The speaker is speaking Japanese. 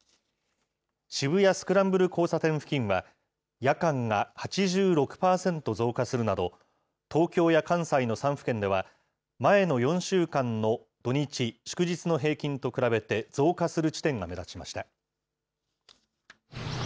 渋谷スクランブル交差点付近は、夜間が８６％増加するなど、東京や関西の３府県では、前の４週間の土日、祝日の平均と比べて、増加する地点が目立ちました。